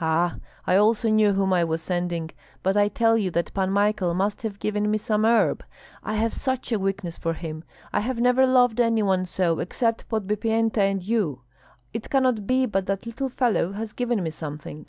"Ah, I also knew whom I was sending, but I tell you that Pan Michael must have given me some herb; I have such a weakness for him. I have never loved any one so, except Podbipienta and you. It cannot be but that little fellow has given me something."